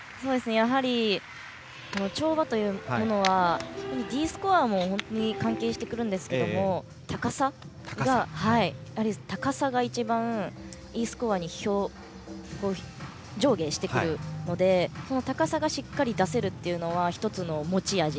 やはり、跳馬というものはＤスコアも関係してくるんですけど高さが一番Ｅスコアが上下してくるのでその高さがしっかり出せるというのは１つの持ち味。